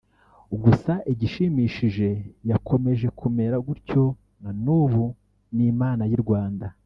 gusa igishimishije yakomeje kumera gutyo na nubu n’Imana y’i Rwanda